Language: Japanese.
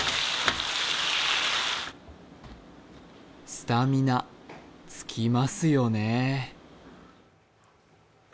スタミナ、つきますよね。